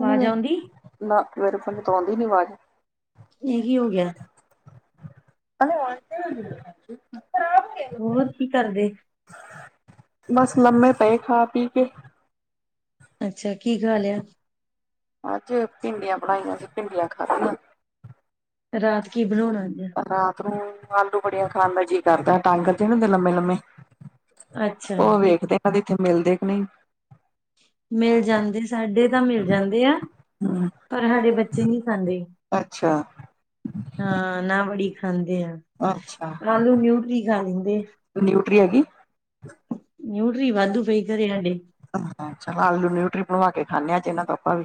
ਹਮ ਆਵਾਜ ਆਉਂਦੀ ਆਈ ਨਾ ਮੇਰੇ ਕੋਲ ਤਾਂ ਆਂਦੀ ਨੀ ਆਵਾਜ਼ ਇਹ ਕੀ ਹੋ ਗਿਆ ਔਰ ਕੀ ਕਰਦੇ? ਬਸ, ਲੰਮੇ ਪਏ ਖਾ ਪੀ ਕੇ। ਅੱਛਾ ਕੀ ਖਾ ਲਿਆ? ਅੱਜ ਭਿੰਡੀਆਂ ਬਣਾਈਆਂ ਸੀਂ, ਭਿੰਡੀਆਂ ਖਾਧੀਆਂ। ਰਾਤ ਕੀ ਬਣਾਉਣਾ ਅੱਜ ਰਾਤ ਨੂੰ ਆਲੂ-ਵੜੀਆਂ ਖਾਣ ਦਾ ਜੀ- ਕਰਦਾ। ਟਾਂਗਰ ਜਿਹੇ ਹੁੰਦੇ ਨੀ ਲੰਮੇ-ਲੰਮੇ ਅੱਛਾ ਉਹ ਵੇਖਦੇ ਕਦੇ ਇੱਥੇ ਮਿਲਦੇ ਕਿ ਨਹੀਂ? ਮਿਲ ਜਾਂਦੇ, ਸਾਡੇ ਤਾਂ ਮਿਲ ਜਾਂਦੇ ਆ। ਹੂੰ ਪਰ ਹਾਡੇ ਬੱਚੇ ਨੀ ਖਾਂਦੇ। ਅੱਛਾ ਹਾਂ, ਨਾ ਵੜੀ ਖਾਂਦੇ ਆ ਅੱਛਾ ਆਲੂ ਨਿਊਟਰੀ ਖਾ ਲੈਂਦੇ। ਨਿਊਟਰੀ ਹੈਗੀ? ਨਿਊਟਰੀ ਵਾਧੂ ਪਈ ਘਰੇ ਹਾਡੇ। ਹਾਂ ਚਲੋ, ਆਲੂ ਨਿਊਟਰੀ ਬਣਵਾ ਕੇ ਖਾਂਣੇ ਅੱਜ ਇਨ੍ਹਾਂ ਤੋਂ ਆਪਾਂ ਵੀ।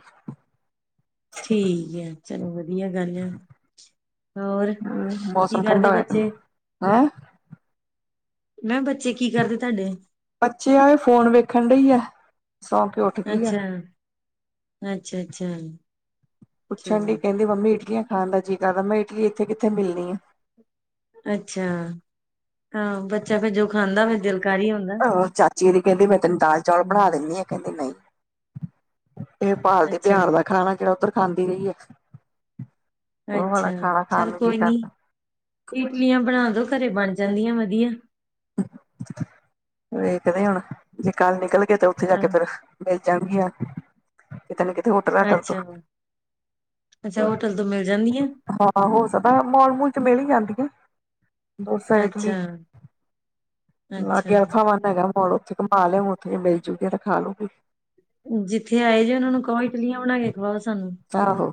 ਠੀਕ ਐ, ਚਲੋ ਵਧੀਆ ਗੱਲ ਐ। ਹੋਰ, ਕੀ ਕਰਦੇ ਬੱਚੇ? ਹਾਂ? ਮੈਂ ਕਿਹਾ ਬੱਚੇ ਕੀ ਕਰਦੇ ਤੁਹਾਡੇ [unintelligible] ਬੱਚੇ ਆ ਏ ਫੋਨ ਵੇਖਣ ਡਈ ਆ। ਸੌਂ ਕੇ ਉੱਠ ਗੀ ਐ। ਅੱਛਾ-ਅੱਛਾ ਪੁੱਛਣ ਡਯੀ, ਕੈਂਦੀ ਮੰਮੀ ਇਡਲੀਆਂ ਖਾਣ ਦਾ ਜੀ ਕਰਦਾ। ਮੈਂ ਇਡਲੀ, ਇੱਥੇ ਕਿੱਥੇ ਮਿਲਣੀ ਆ? ਅੱਛਾ, ਹਾਂ ਬੱਚਾ ਫੇਰ ਜੋ ਖਾਂਦਾ ਫੇਰ ਦਿਲ ਕਰ ਈ ਆਉਂਦਾ। ਦੀਦੀ ਕੈਂਦੀ ਮੈਂ ਤੈਨੂੰ ਦਾਲ ਚਾਵਲ ਬਣਾ ਦਿੰਣੀ ਆਂ, ਕੈਂਦੀ ਨਈਂ। ਇਹ ਭਾਲਤੀ ਅੱਛਾ, ਬਿਹਾਰ ਦਾ ਖਾਣਾ ਜੈੜਾ ਉੱਧਰ ਖਾਂਦੀ ਰਈ ਐ। ਅੱਛਾ, ਚੱਲ ਕੋਈ ਨੀਂ ਇਟਲੀਆਂ ਬਣਾ ਦੋ ਘਰੇ ਬਣ ਜਾਂਦੀਆਂ ਵਦੀਆ। ਵੇਖਦੇ ਹੁਣ ਜੇ ਕੱਲ੍ਹ ਨਿਕਲਗੇ ਤੇ ਉੱਥੇ ਜਾ ਕੇ ਹਾਂ, ਫੇਰ ਮਿਲ ਜਾਣਗੀਆਂ। ਕਿਤੇ ਨਾਂ ਕਿਤੇ ਹੋਟਲ-ਹਾਟਲ ਤੋਂ। ਅੱਛਾ ਅੱਛਾ, ਹੋਟਲ ਤੋਂ ਮਿਲ ਜਾਂਦੀਆਂ? ਹਾਂ ਹੋ ਸਕਦਾ ਮੋਲ-ਮੂਲ ਚੋਂ ਮਿਲ ਈ ਜਾਂਦੀਆਂ, ਬੋਤ ਸਾਈਡ। ਅੱਛਾ ਲਾਗੇ ਅੱਛਾ ਐਥੈ ਵਨ ਹੈਗਾ ਮੋਲ ਉੱਥੇ ਘਮਾਂ ਲਿਆਓਂ ਉੱਥੇ ਮਿਲਜੂ। ਫਿਰ ਖਾਲੂਗੀ। ਜਿੱਥੇ ਆਏ ਜੋ ਓਨਾਂ ਨੂੰ ਕੋ ਇਟਲੀਆਂ ਬਣਾ ਕੇ ਖਾਵਾਓ ਸਾਨੂੰ। ਆਹੋ।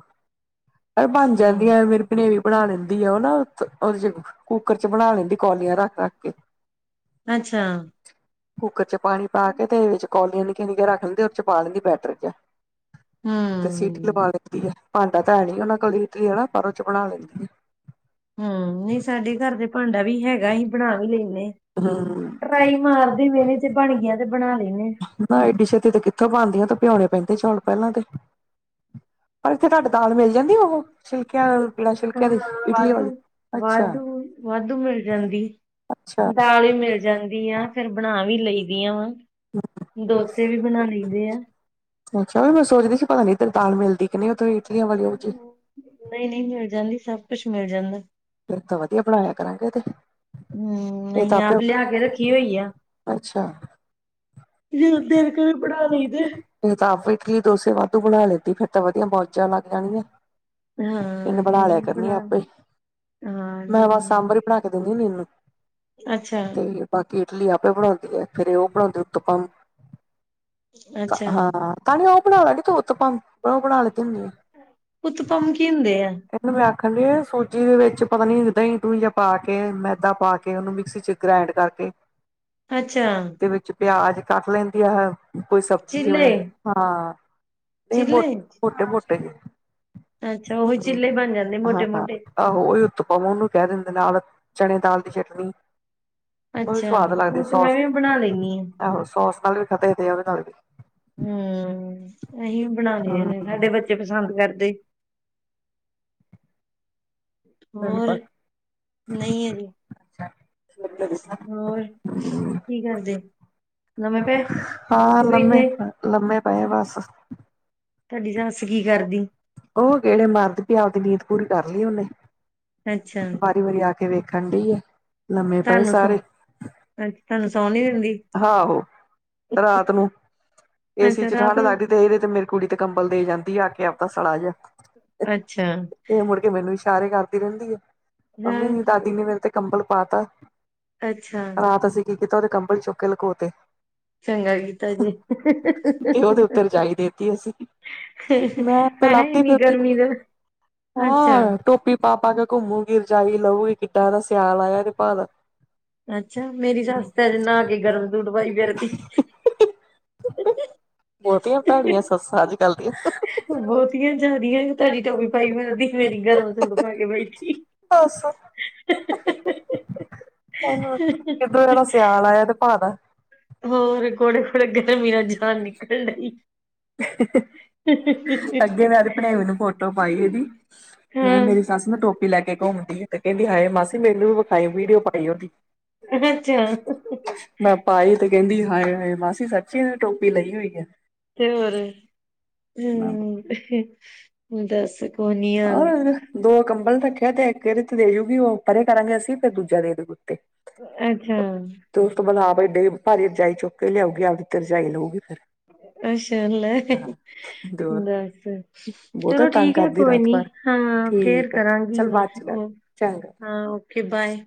ਬਣ ਹਮ, ਜਾਂਦੀਆ ਮੇਰੀ ਪਨੇਵੀਂ ਬਣਾ ਲੈਂਦੀ ਆ। ਓ ਨਾਂ ਓਦੇ ਚ ਕੁੱਕਰ ਚ ਬਣਾ ਲੈਂਦੀ ਕੋਲੀਆਂ ਰੱਖ-ਰੱਖ ਕੇ। ਅੱਛਾ ਕੁੱਕਰ ਚ ਪਾਣੀ ਪਾ ਕੇ ਤੇ ਏਦੇ ਚ ਕੌਲੀਆਂ ਨਿੱਕਿਆ-ਨਿੱਕਿਆਂ ਰੱਖ ਲੈਂ ਤੇ ਓਦਚ ਪਾ ਲੈਂਦੀ ਬੈਟਰ ਚ। ਤੇ ਸੀਟੀ ਹੂੰ ਲਵਾ ਲੈਂਦੀ ਐ, ਭਾਂਡਾ ਤਾਂ ਹੈ ਨੀਂ ਓਨਾਂ ਕੋਲ ਇਟਲੀ ਵਾਲਾ, ਪਰ ਓਚ ਬਣਾ ਲੈਂਦੀ ਐ। ਹਂ, ਨਈਂ ਸਾਡੇ ਘਰ ਤੇ ਭਾਂਡਾ ਵੀ ਹੈਗਾ, ਅਸੀਂ ਬਣਾ ਵੀ ਲੈਂਣੇ। ਹੂੰ ਟਰਾਈ ਮਾਰਦੇ ਏਦੇ ਚ ਜੇ ਬਣ ਗੀਆਂ ਤੇ ਬਣਾ ਲੈਂਣੇ ਆ। ਨਾ ਏਡੀ ਛੇਤੀ ਤੇ ਕਿੱਥੋਂ ਬਣਦੀਆਂ ਤੇ ਪਿਆਉਣੇ ਪੈਂਦੇ ਚੌਲ ਪਹਿਲਾਂ ਦੇ। ਪਰ ਇੱਥੇ ਤਾਡੇ ਦਾਲ ਮਿਲ ਜਾਂਦੀ ਓਹੋ, ਸ਼ਿਲਕਿਆਂ ਆਲੀ ਬਿਨਾਂ ਹਾਂ ਛਿੱਲਕਿਆਂ ਦੀ ਇਡਲੀ ਵਾਧੂ ਵਾਲੀ, ਅੱਛਾ। ਵਾਧੂ ਵਾਧੂ ਮਿਲ ਜਾਂਦੀ। ਅੱਛਾ ਦਾਲ ਈ ਮਿਲ ਜਾਂਦੀ ਆ, ਫੇਰ ਬਣਾ ਵੀ ਲਈ ਦੀਆਂ ਵਾਂ। ਡੋਸੇ ਵੀ ਬਣਾ ਲਯੀ ਦੇਆ। ਅੱਛਾ, ਓਹੀ ਮੈਂ ਸੋਚਦੀ ਸੀ ਪਤਾ ਨੀਂ ਈਧਰ ਦਾਲ ਮਿਲਦੀ ਕਿ ਨਈਂ ਉੱਧੋਂ ਇਟਲੀਆਂ ਵਾਲੀ ਔਹੋ ਜੀ। ਨਈਂ ਨਈਂ ਮਿਲ ਜਾਂਦੀ, ਸਭ ਕੁਛ ਮਿਲ ਜਾਂਦਾ। ਫਿਰ ਤਾਂ ਵਧੀਆ ਬਣਾਇਆ ਕਰਾਂਗੇ ਤੇ। ਹਮ ਏ ਤਾਂ ਨਹੀਂ ਆਪ ਆਪੋ, ਲਿਆ ਕੇ ਰੱਖੀ ਹੋਈ ਆ ਅੱਛਾ ਜਦੋਂ ਦਿਲ ਕਰੇ ਬਣਾ ਲਈ ਦੇ। ਤਾਂ ਆਪ ਵੀ ਇਟਲੀ ਡੋਸੇ ਵਾ ਤੂੰ ਬਣਾ ਲੈਦੀ ਫੇਰ ਤਾਂ ਵਧੀਆ ਮੋਜਾਂ ਲਗ ਜਾਣਗੀਆਂ, ਹਾਂ ਤੈਨੂੰ ਬਣਾ ਨਹੀਂ ਲਿਆ ਨਹੀਂ ਕਰਨੀ ਆ ਆਪੇ ਈ। ਹਾਂ ਮੈ ਨਹੀਂ ਵਾ ਸਾਂਬਰ ਵੀ ਨਹੀਂ ਬਣਾ ਕੇ ਦਿੰਦੀ ਹੁੰਦੀ ਇਹਨੂੰ ਅੱਛਾ ਤੇ ਬਾਕੀ ਇਡਲੀ ਆਪੇ ਬਣਾਂਦੀ ਐ, ਫੇਰ ਉਹ ਬਣਾਉਂਦੀ ਕਪਾਂ ਨੂੰ ਅੱਛਾ ਹਾਂ, ਤਾਂ ਨੀਂ ਓ ਬਣਾ ਲੈਂਦੀ ਤੂੰ ਊਤਪਮ ਉਹ ਬਣਾ ਲਤੀ ਹੁੰਦੀ। ਉਤਪਮ ਕੀ ਹੁੰਦੇ ਆ ਆਨੂੰ ਮੈ ਆਖਣ ਡੇ ਸੂਜੀ ਦੇ ਵਿਚ ਪਤਾ ਨੀ, ਦਹੀ ਦੂਹੀ ਜਾਂ ਪਾ ਕੇ ਮੈਦਾ ਪਾਕੇ, ਉਹਨੂੰ ਮਿਕਸੀ 'ਚ ਗ੍ਰਾਇੰਡ ਕਰਕੇ ਅੱਛਾ ਤੇ ਵਿਚ ਪਿਆਜ ਕੱਟ ਲੈਦੀ ਆ, ਕੋਈ ਸਬਜ਼ੀ ਜਿਵੇ ਚਿੱਲੇ ਹਾਂ ਨਹੀ, ਚਿੱਲੇ ਮੋਟੇ- ਮੋਟੇ ਅੱਛਾ ਉਹੀ ਚਿੱਲੇ ਬਣ ਜਾਂਦੇ ਮੋਟੇ ਹਾਂ-ਹਾਂ ਮੋਟੇ ਆਹੋ, ਉਹੀ ਉਤਪਾਮ ਉਹਨੂੰ ਕਹਿ ਦਿਦੇ ਨਾਲ ਚਣੇ ਦਾਲ ਦੀ ਚਟਨੀ ਉਹ ਵੀ ਅੱਛਾ ਸਵਾਦ ਉਹ ਲੱਗਦੇ, ਤੇ ਸੋਸ ਮੈਂ ਵੀ ਬਣਾ ਲੈਂਦੀ ਹਾਂ ਆਹੋ ਸੋਸ ਨਾਲ ਵੀ ਖਦੇਦੇ ਆ ਉਹਦੇ ਨਾਲ ਵੀ ਹੂ, ਅਸੀ ਬਣਾ ਤੈਨੂੰ ਲੇ ਸਾਡੇ ਬੱਚੇ ਪਸੰਦ ਕਰਦੇ ਹੋਰ ਪਤਾ ਨਹੀ ਹੈ। ਜੀ ਹੋਰ ਕੀ ਕਰਦੇ ਲਮੇ ਪਏ ਤੇ ਬੈਠੇ। ਲਮੇ ਪਏ ਬਸ ਤੁਹਾਡੀ ਸੱਸ ਕੀ ਕਰਦੀ? ਉਹ ਗੇੜੇ ਮਾਰਦੀ ਪਈ ਆਪਦੀ ਨੀਂਦ ਪੂਰੀ ਕਰ ਲਈ ਉਹਨੇ ਅੱਛਾ। ਵਾਰੀ ਵਾਰੀ ਆ ਕੇ ਵੇਖਣ ਡਈਏ। ਲੰਮੇ ਪਏ ਤੁਹਾਨੂੰ ਸੌ ਸਾਰੇ ਅੱਛਾ ਤੁਹਾਨੂੰ ਸੌਣ ਨੀ ਦਿੰਦੀ ਆਹੋ ਰਾਤ ਨੂੰ ਏਸੀ ਅੱਛਾ 'ਚ ਰਾਤ ਠੰਢ ਨੂੰ ਲਗਦੀ, ਤੇ ਇਹ ਰਹੀ ਤੇ ਮੇਰੀ ਕੁੜੀ ਤੇ ਕੰਬਲ ਦੇ ਜਾਦੀ ਆ, ਆ ਕੇ ਆਪਦਾ ਸੜਾ ਜਹਾ ਅੱਛਾ ਇਹ ਮੁੜ ਕੇ ਮੈਨੂੰ ਇਸ਼ਾਰੇ ਕਰਦੀ ਰਹਿਦੀ ਆ। ਹੂੰ। ਮੇਰੇ ਤੇ ਕੰਬਲ ਪਾਤਾ ਅੱਛਾ ਰਾਤ ਅਸੀ ਕੀ ਕੀਤਾ ਉਹਦੇ ਕੰਬਲ ਚੁੱਕ ਕੇ ਲਕੋ ਤੇ ਚੰਗਾ ਕੀਤਾ ਜੇ ਤੇ ਉਹਦੇ ਉਤੇ ਰਜਾਈ ਦੇਤੀ, ਅਸੀ ਮੈ ਹੈ ਲਾਦੀ ਇੰਨੀ ਗਰਮੀ ਦੇ ਅੱਛਾ ਹਾਂ, ਟੋਪੀ ਪਾ ਪਾ ਕੇ ਘੁੰਮੂ ਰਜਾਈ ਲਊਗੀ, ਕਿੱਡਾ ਇਹਦਾ ਸਿਆਲ ਆਇਆ ਨ ਭਾਅ ਦਾ ਅੱਛਾ, ਮੇਰੀ ਸੱਸ ਨਹਾ ਕੇ ਗਰਮ ਸੂਟ ਪਾਈ ਫਿਰਤੀ ਬਹੁਤੀਆਂ ਭੈੜੀਆਂ ਸੱਸਾਂ ਜ ਚੱਲਦੀਆਂ ਬਹੁਤੀਆ ਜਿਆਦੀਆਂ ਤੁਹਾਡੀ ਟੋਪੀ ਪਾਈਦੀ ਮੇਰੀ ਗਰਮ ਸੂਟ ਪਾ ਕੇ ਬੈਠੀ। ਦੱਸ ਕਿੱਧਰ ਇਹਦਾ ਸਿਆਲ ਆਇਆ, ਤੇ ਭਦਾ ਹੋਰ, ਘੋੜੇ-ਘੋੜੇ ਗਰਮੀ ਨਾਲ ਜਾਨ ਨਿਕਲ ਡਈ ਅੱਗੇ, ਮੈ ਭਣੇ ਮੈਨੂੰ ਫੋਟੋ ਪਾਈ ਇਹਦੀ ਮੈ ਕਿਹਾ ਮੇਰੀ ਸੱਸ ਨਾ ਟੋਪੀ ਲੈਕੇ ਘੁੰਮਦੀ ਹੈ। ਤੇ ਕਹਿਦੀ ਹਾਏ, ਮਾਸੀ ਮੈਨੂੰ ਵੀ ਵਿਖਾਈ ਵੀਡੀਓ ਪਾਈ ਉਹਦੀ। ਅੱਛਾ ਮੈ ਪਾਈ ਤੇ ਕਹਿਦੀ ਹਾਏ-ਹਾਏ ਮਾਸੀ ਸ ਚੀਲ ਟੋਪੀ ਲਈ ਹੋਈ ਹੈ। ਤੇ ਹੋਰ ਹੂੰ, ਦੱਸ ਆ ਦੋ ਕੰਬਲ ਰਖਿਆ ਤੇ ਇਕ ਇਹਦੇ ਤੇ ਦੇਜੂਗੀ, ਉਹ ਪਰੇ ਕਰਾਂਗੇ ਅਸੀ ਫਿਰ ਦੂਜਾ ਦੇਦੂ ਉਤੇ ਅਛਾ। ਤੇ ਉਸ ਤੋਂ ਬਾਅਦ ਆਪ ਏਡੇ ਭਾਰੀ ਰਜਾਈ ਚੁੱਕ ਕੇ ਲਿਆਉਗੀ। ਆਪਦੀ ਤੇ ਰਜਾਈ ਲਊਗੀ, ਫਿਰ ਅਛਾ, ਲੈ [unintelligible] ਤੇ ਹੋਰ ਬਸ, ਬਹੁਤਾ ਚਲੋ ਤੰਗ ਠੀਕ ਹੈ। ਕਰਦੀ ਕੋਈ ਰਾਤ ਨੀ ਭਰ ਹਾਂ, ਫੇਰ ਠੀਕ ਆ ਕਰਾਂਗੀ। ਚੱਲ ਮੈ ਬਾਅਦ ਚ ਕਰ ਉਹ ਚੰਗਾ ਹਾਂ, ਓਕੇ ਬਾਏ।